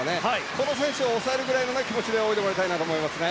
この選手を抑えるぐらいの気持ちで泳いでもらいたいですね。